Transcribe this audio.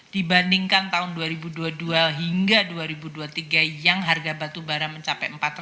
dibandingkan tahun dua ribu dua puluh dua hingga dua ribu dua puluh tiga yang harga batubara mencapai empat ratus